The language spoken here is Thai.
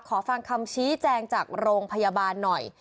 ขอฟังคำชี้แจงจากโรงพยาบาลหน่อย